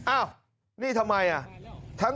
อ้าวนี่ทำไม